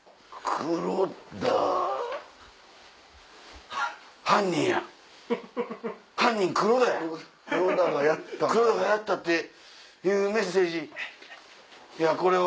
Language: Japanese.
黒田がやったっていうメッセージ。